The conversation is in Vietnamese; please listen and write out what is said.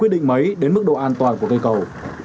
định máy đến mức độ an toàn của cây cầu